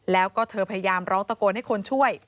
แล้วก็เธอพยายามร้องตะโกนให้คนช่วย